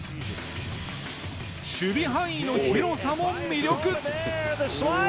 守備範囲の広さも魅力。